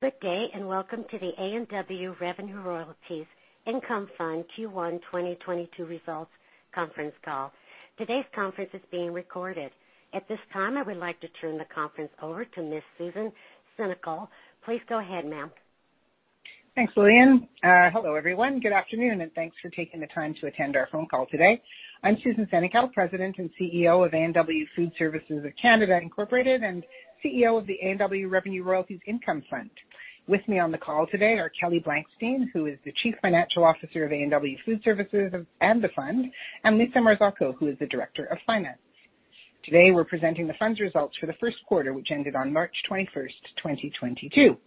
Good day, and welcome to the A&W Revenue Royalties Income Fund Q1 2022 results conference call. Today's conference is being recorded. At this time, I would like to turn the conference over to Ms. Susan Senecal. Please go ahead, ma'am. Thanks, Lillian. Hello, everyone. Good afternoon, and thanks for taking the time to attend our phone call today. I'm Susan Senecal, President and CEO of A&W Food Services of Canada Inc. and CEO of the A&W Revenue Royalties Income Fund. With me on the call today are Kelly Blankstein, who is the Chief Financial Officer of A&W Food Services and the fund, and Lisa Marzocco, who is the Director of Finance. Today, we're presenting the fund's results for the Q1, which ended on March 21st, 2022.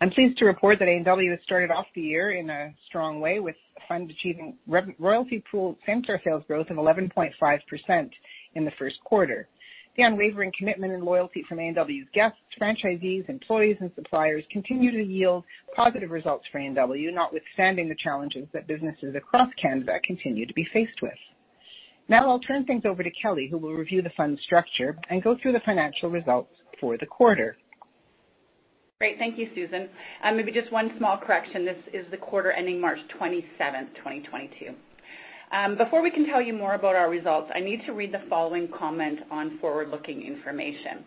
I'm pleased to report that A&W has started off the year in a strong way with the fund achieving royalty pool same store sales growth of 11.5% in the Q1 The unwavering commitment and loyalty from A&W's guests, franchisees, employees, and suppliers continue to yield positive results for A&W, notwithstanding the challenges that businesses across Canada continue to be faced with. Now I'll turn things over to Kelly Blankstein, who will review the fund's structure and go through the financial results for the quarter. Great. Thank you, Susan. Maybe just one small correction. This is the quarter ending March 27th, 2022. Before we can tell you more about our results, I need to read the following comment on forward-looking information.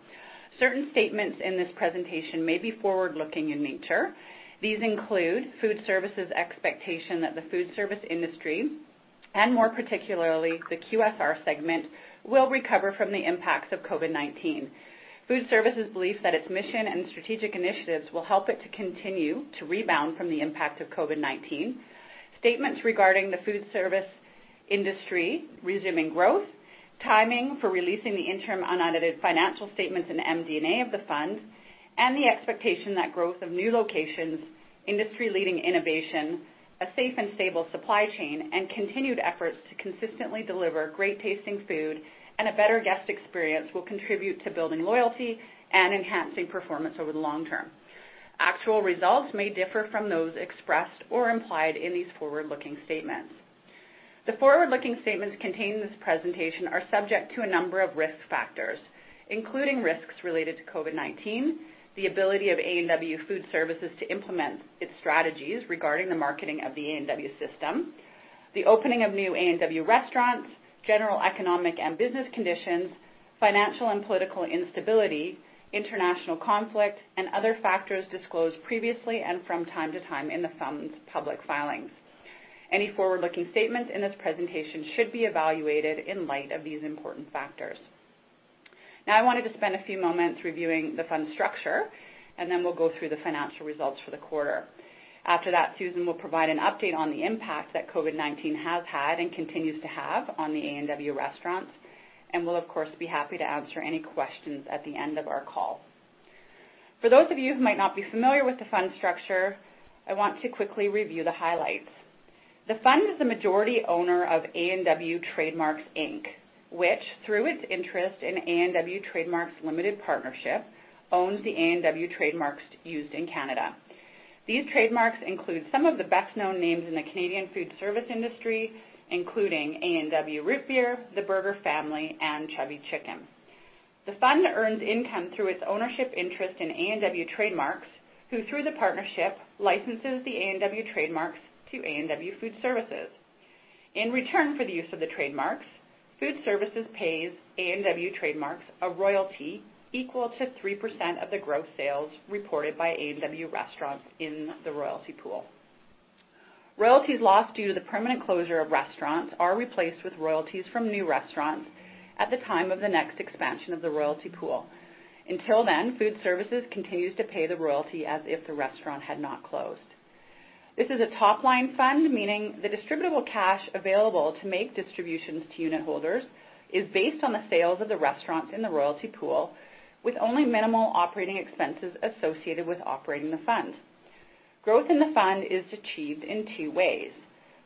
Certain statements in this presentation may be forward-looking in nature. These include Food Services expectation that the food service industry, and more particularly, the QSR segment, will recover from the impacts of COVID-19. Food Services' belief that its mission and strategic initiatives will help it to continue to rebound from the impact of COVID-19, statements regarding the food service industry resuming growth, timing for releasing the interim unaudited financial statements and MD&A of the fund, and the expectation that growth of new locations, industry-leading innovation, a safe and stable supply chain, and continued efforts to consistently deliver great-tasting food and a better guest experience will contribute to building loyalty and enhancing performance over the long term. Actual results may differ from those expressed or implied in these forward-looking statements. The forward-looking statements contained in this presentation are subject to a number of risk factors, including risks related to COVID-19, the ability of A&W Food Services to implement its strategies regarding the marketing of the A&W system, the opening of new A&W restaurants, general economic and business conditions, financial and political instability, international conflict, and other factors disclosed previously and from time to time in the fund's public filings. Any forward-looking statements in this presentation should be evaluated in light of these important factors. Now, I wanted to spend a few moments reviewing the fund's structure, and then we'll go through the financial results for the quarter. After that, Susan will provide an update on the impact that COVID-19 has had and continues to have on the A&W restaurants, and we'll of course be happy to answer any questions at the end of our call. For those of you who might not be familiar with the fund's structure, I want to quickly review the highlights. The fund is the majority owner of A&W Trade Marks Inc, which, through its interest in A&W Trade Marks Limited Partnership, owns the A&W trademarks used in Canada. These trademarks include some of the best-known names in the Canadian food service industry, including A&W Root Beer, The Burger Family, and Chubby Chicken. The fund earns income through its ownership interest in A&W Trade Marks, who, through the partnership, licenses the A&W trademarks to A&W Food Services. In return for the use of the trademarks, Food Services pays A&W Trade Marks a royalty equal to 3% of the gross sales reported by A&W Restaurants in the royalty pool. Royalties lost due to the permanent closure of restaurants are replaced with royalties from new restaurants at the time of the next expansion of the royalty pool. Until then, Food Services continues to pay the royalty as if the restaurant had not closed. This is a top-line fund, meaning the distributable cash available to make distributions to unitholders is based on the sales of the restaurants in the royalty pool with only minimal operating expenses associated with operating the fund. Growth in the fund is achieved in two ways.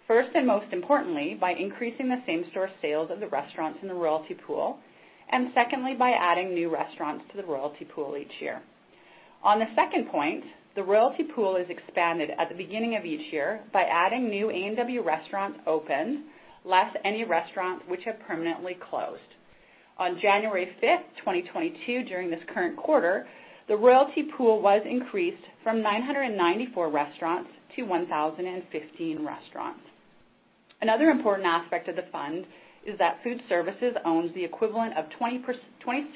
First, and most importantly, by increasing the same store sales of the restaurants in the royalty pool, and secondly, by adding new restaurants to the royalty pool each year. On the second point, the royalty pool is expanded at the beginning of each year by adding new A&W restaurants opened less any restaurants which have permanently closed. On January 5, 2022, during this current quarter, the royalty pool was increased from 994 restaurants to 1,015 restaurants. Another important aspect of the fund is that Food Services owns the equivalent of 26%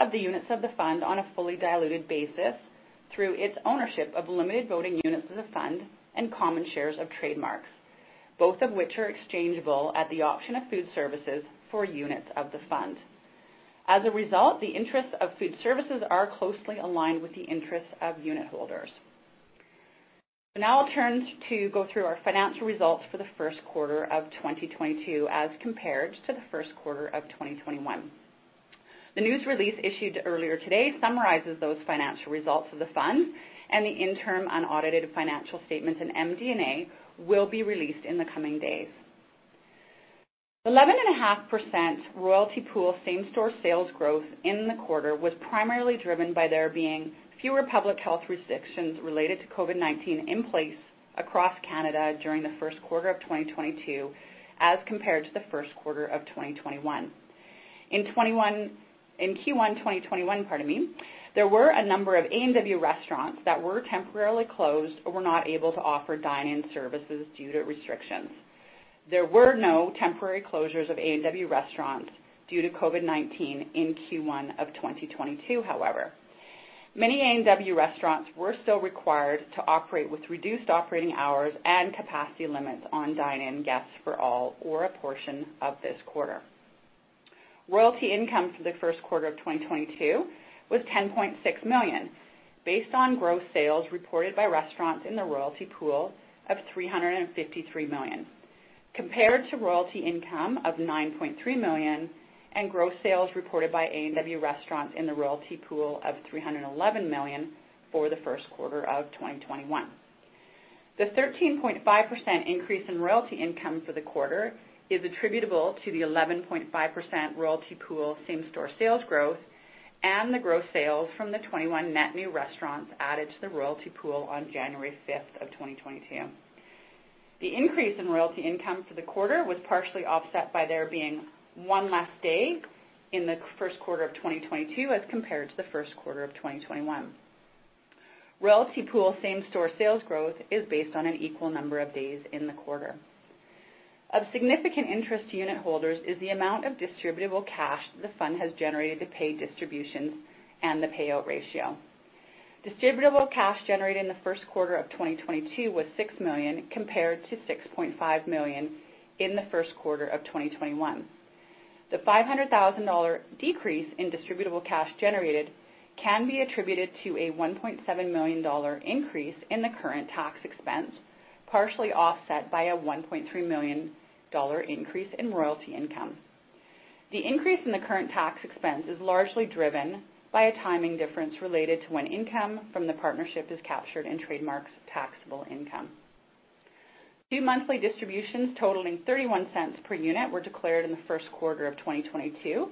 of the units of the fund on a fully diluted basis through its ownership of limited voting units of the fund and common shares of Trademarks, both of which are exchangeable at the option of Food Services for units of the fund. As a result, the interests of Food Services are closely aligned with the interests of unitholders. Now I'll turn to go through our financial results for the Q1of 2022 as compared to theQ1 of 2021. The news release issued earlier today summarizes those financial results of the fund, and the interim unaudited financial statements and MD&A will be released in the coming days. 11.5% royalty pool same-store sales growth in the quarter was primarily driven by there being fewer public health restrictions related to COVID-19 in place across Canada during theQ1` of 2022 as compared to the Q1 of 2021. In Q1 2021, pardon me, there were a number of A&W restaurants that were temporarily closed or were not able to offer dine-in services due to restrictions. There were no temporary closures of A&W restaurants due to COVID-19 in Q1 of 2022, however. Many A&W restaurants were still required to operate with reduced operating hours and capacity limits on dine-in guests for all or a portion of this quarter. Royalty income for the Q1 of 2022 was 10.6 million, based on gross sales reported by restaurants in the royalty pool of 353 million, compared to royalty income of 9.3 million and gross sales reported by A&W restaurants in the royalty pool of 311 million for the Q1 of 2021. The 13.5% increase in royalty income for the quarter is attributable to the 11.5% royalty pool same store sales growth and the gross sales from the 21 net new restaurants added to the royalty pool on January 5 of 2022. The increase in royalty income for the quarter was partially offset by there being one less day in the Q1 of 2022 as compared to theQ1 of 2021. Royalty pool same-store sales growth is based on an equal number of days in the quarter. Of significant interest to unit holders is the amount of distributable cash the fund has generated to pay distributions and the payout ratio. Distributable cash generated in theQ1 of 2022 was 6 million, compared to 6.5 million in the Q1 of 2021. The 500,000 dollar decrease in distributable cash generated can be attributed to a 1.7 million dollar increase in the current tax expense, partially offset by a 1.3 million dollar increase in royalty income. The increase in the current tax expense is largely driven by a timing difference related to when income from the partnership is captured in Trade Marks' taxable income. Two monthly distributions totaling 0.31 per unit were declared in the Q1 of 2022,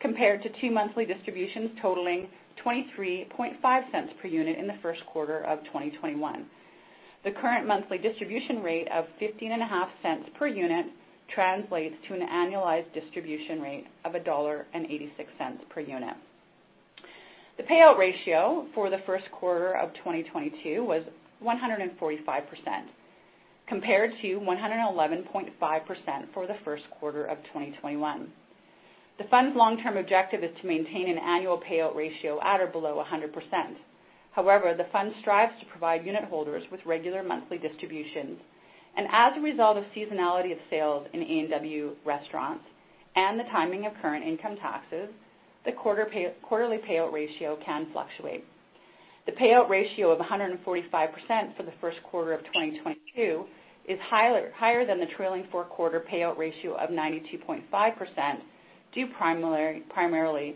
compared to two monthly distributions totaling 0.235 per unit in the Q1 of 2021. The current monthly distribution rate of 0.155 per unit translates to an annualized distribution rate of 1.86 dollar per unit. The payout ratio for the Q1 of 2022 was 145%, compared to 111.5% for the Q1 of 2021. The fund's long-term objective is to maintain an annual payout ratio at or below 100%. However, the fund strives to provide unit holders with regular monthly distributions. As a result of seasonality of sales in A&W restaurants and the timing of current income taxes, the quarterly payout ratio can fluctuate. The payout ratio of 145% for the Q1 of 2022 is higher than the trailing four-quarter payout ratio of 92.5%, due primarily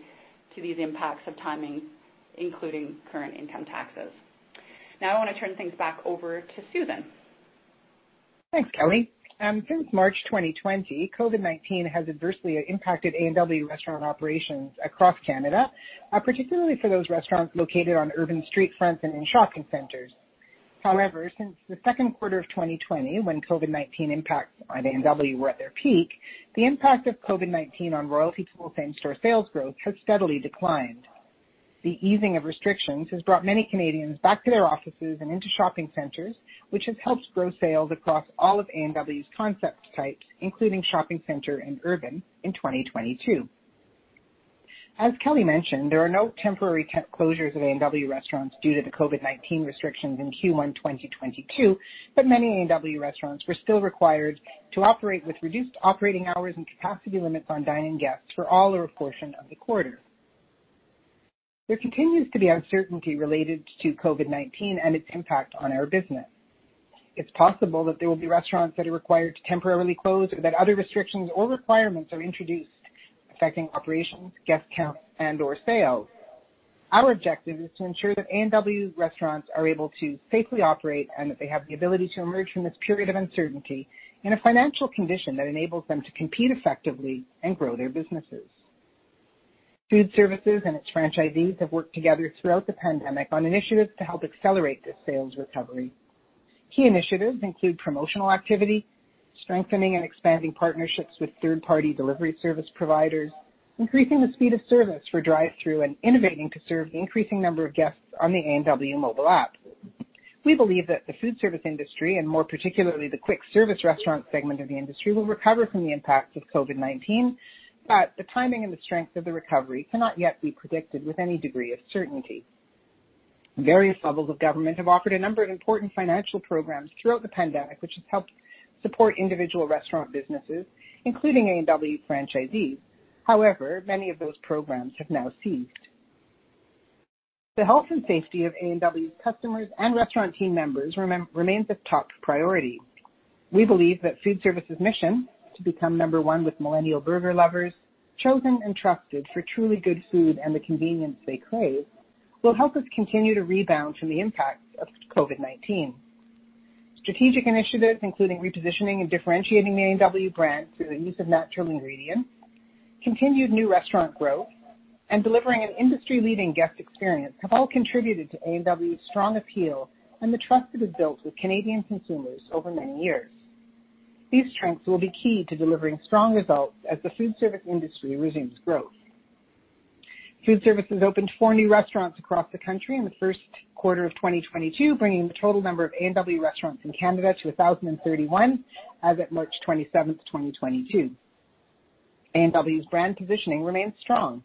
to these impacts of timing, including current income taxes. Now I wanna turn things back over to Susan. Thanks, Kelly. Since March 2020, COVID-19 has adversely impacted A&W restaurant operations across Canada, particularly for those restaurants located on urban street fronts and in shopping centers. However, since the Q2 of 2020, when COVID-19 impacts on A&W were at their peak, the impact of COVID-19 on royalty pool same-store sales growth has steadily declined. The easing of restrictions has brought many Canadians back to their offices and into shopping centers, which has helped grow sales across all of A&W's concept types, including shopping center and urban in 2022. As Kelly mentioned, there are no temporary closures of A&W restaurants due to the COVID-19 restrictions in Q1 2022, but many A&W restaurants were still required to operate with reduced operating hours and capacity limits on dine-in guests for all or a portion of the quarter. There continues to be uncertainty related to COVID-19 and its impact on our business. It's possible that there will be restaurants that are required to temporarily close, or that other restrictions or requirements are introduced, affecting operations, guest count, and/or sales. Our objective is to ensure that A&W restaurants are able to safely operate, and that they have the ability to emerge from this period of uncertainty in a financial condition that enables them to compete effectively and grow their businesses. A&W Food Services and its franchisees have worked together throughout the pandemic on initiatives to help accelerate this sales recovery. Key initiatives include promotional activity, strengthening and expanding partnerships with third-party delivery service providers, increasing the speed of service for drive-through, and innovating to serve the increasing number of guests on the A&W mobile app. We believe that the food service industry, and more particularly the quick service restaurant segment of the industry, will recover from the impacts of COVID-19, but the timing and the strength of the recovery cannot yet be predicted with any degree of certainty. Various levels of government have offered a number of important financial programs throughout the pandemic, which has helped support individual restaurant businesses, including A&W franchisees. However, many of those programs have now ceased. The health and safety of A&W customers and restaurant team members remains of top priority. We believe that A&W Food Services' mission, to become number one with millennial burger lovers, chosen and trusted for truly good food and the convenience they crave, will help us continue to rebound from the impacts of COVID-19. Strategic initiatives, including repositioning and differentiating the A&W brand through the use of natural ingredients, continued new restaurant growth and delivering an industry-leading guest experience have all contributed to A&W's strong appeal and the trust it has built with Canadian consumers over many years. These strengths will be key to delivering strong results as the food service industry resumes growth. A&W Food Services opened four new restaurants across the country in the Q1 of 2022, bringing the total number of A&W restaurants in Canada to 1,031 as of March 27, 2022. A&W's brand positioning remains strong.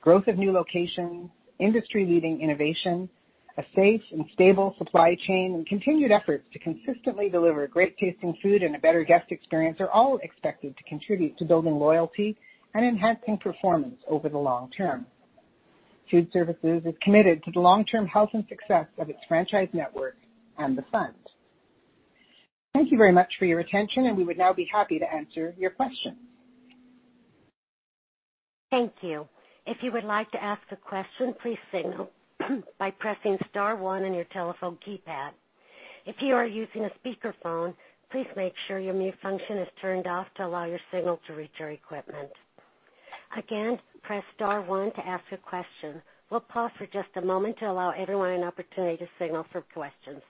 Growth of new locations, industry-leading innovation, a safe and stable supply chain, and continued efforts to consistently deliver great-tasting food and a better guest experience are all expected to contribute to building loyalty and enhancing performance over the long term. Food Services is committed to the long-term health and success of its franchise network and the fund. Thank you very much for your attention, and we would now be happy to answer your questions. Thank you. If you would like to ask a question, please signal by pressing star one on your telephone keypad. If you are using a speakerphone, please make sure your mute function is turned off to allow your signal to reach our equipment. Again, press star one to ask a question. We'll pause for just a moment to allow everyone an opportunity to signal for questions.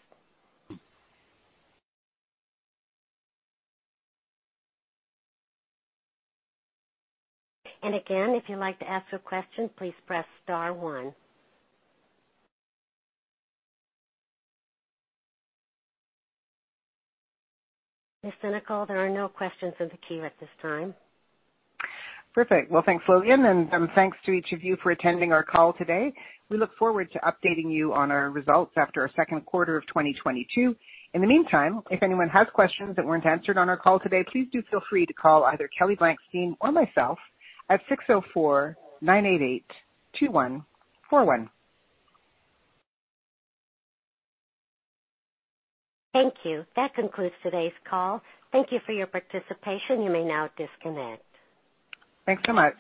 Again, if you'd like to ask a question, please press star one. Ms. Senecal, there are no questions in the queue at this time. Perfect. Well, thanks, Lillian, and thanks to each of you for attending our call today. We look forward to updating you on our results after our Q2 of 2022. In the meantime, if anyone has questions that weren't answered on our call today, please do feel free to call either Kelly Blankstein or myself at 604-988-2141. Thank you. That concludes today's call. Thank you for your participation. You may now disconnect. Thanks so much.